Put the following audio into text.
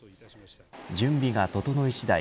準備が整い次第